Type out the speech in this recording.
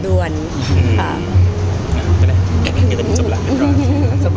สบายใจนะ